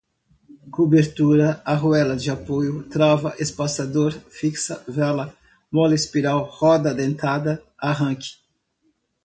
cobertura, arruela de apoio, trava, espaçador, fixa, vela, mola espiral, roda dentada, arranque